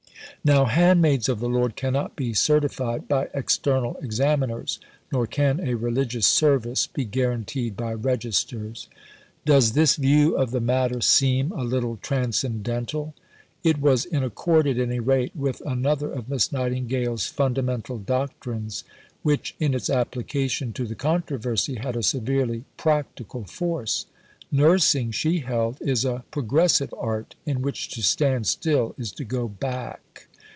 Now, "handmaids of the Lord" cannot be certified by external examiners, nor can a religious service be guaranteed by registers. Does this view of the matter seem a little transcendental? It was in accord, at any rate, with another of Miss Nightingale's fundamental doctrines, which in its application to the controversy had a severely practical force. Nursing, she held, is a progressive art, in which to stand still is to go back.